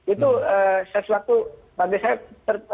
itu sesuatu bagi saya